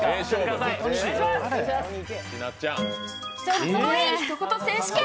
「かっこいい一言選手権」